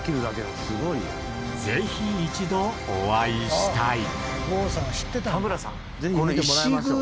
ぜひ一度お会いしたい。